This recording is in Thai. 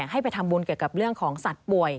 ให้ไปทำบุญเกี่ยวกับเรื่องของสัตว์ป่วย